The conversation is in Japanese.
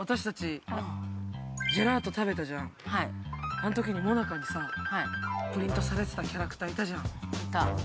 あのときにもなかにプリントされてたキャラクターいたじゃん。